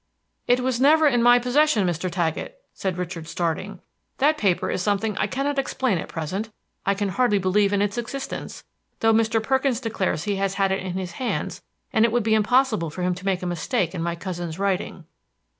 "It was never in my possession, Mr. Taggett," said Richard, starting. "That paper is something I cannot explain at present. I can hardly believe in its existence, though Mr. Perkins declares that he has had it in his hands, and it would be impossible for him to make a mistake in my cousin's writing."